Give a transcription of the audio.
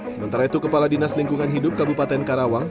sementara itu kepala dinas lingkungan hidup kabupaten karawang